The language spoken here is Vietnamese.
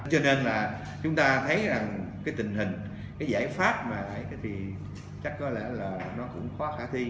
cho nên là chúng ta thấy rằng cái tình hình cái giải pháp mà thì chắc có lẽ là nó cũng khó khả thi